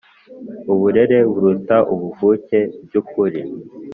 uburere buruta ubuvuke by'ukuri